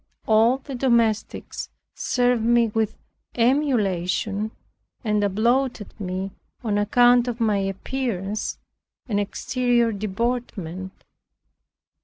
All the domestics served me with emulation, and applauded me on account of my appearance, and exterior deportment.